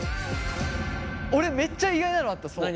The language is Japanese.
俺めっちゃ意外なのあった。